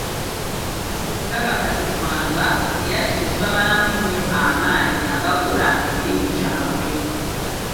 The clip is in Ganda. Tebakakasibwanga, era kino kibamalamu nnyo amaanyi agakola emirimu jabwe.